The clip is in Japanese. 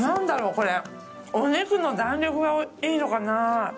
これお肉の弾力がいいのかな？